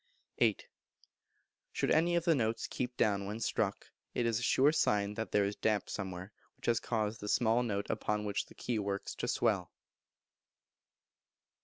viii. Should any of the notes keep down when struck, it is a sure sign that there is damp somewhere, which has caused the small note upon which the key works to swell.